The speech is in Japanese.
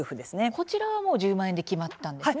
こちらは１０万円で決まったんですね。